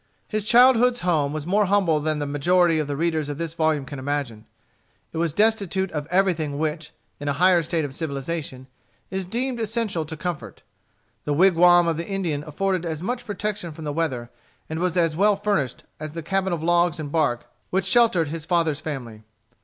His childhood's home was more humble than the majority of the readers of this volume can imagine. It was destitute of everything which, in a higher state of civilization, is deemed essential to comfort. The wigwam of the Indian afforded as much protection from the weather, and was as well furnished, as the cabin of logs and bark which sheltered his father's family.